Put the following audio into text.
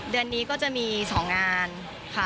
เดือนนี้ก็จะมี๒งานค่ะ